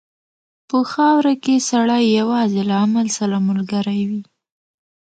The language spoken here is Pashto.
په خاوره کې سړی یوازې له عمل سره ملګری وي.